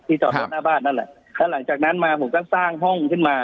จอดรถหน้าบ้านนั่นแหละแล้วหลังจากนั้นมาผมก็สร้างห้องขึ้นมา